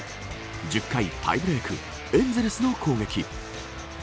１０回タイブレークエンゼルスの攻撃。